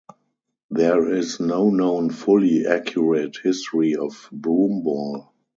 There is no known fully accurate history of broomball.